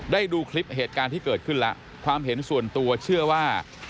ดูคลิปเหตุการณ์ที่เกิดขึ้นแล้วความเห็นส่วนตัวเชื่อว่า